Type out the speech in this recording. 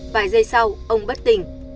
vài giây sau ông bất tỉnh